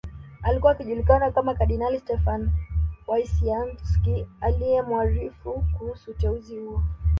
Alikuwa akijulikana kama kardinali Stefan Wyszynsk aliyemuarifu kuhusu uteuzi huo